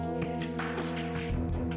terima kasih mas